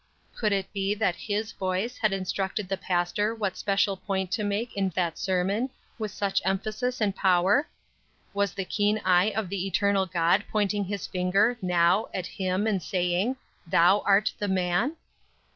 Could it be that his voice had instructed the pastor what special point to make in that sermon, with such emphasis and power? Was the keen eye of the Eternal God pointing his finger, now, at him, and saying; "Thou art the man?"